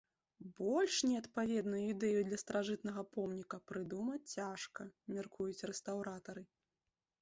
Больш неадпаведную ідэю для старажытнага помніка прыдумаць цяжка, мяркуюць рэстаўратары.